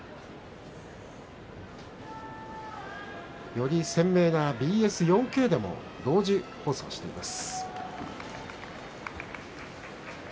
より鮮明なＢＳ４Ｋでも同時放送しています。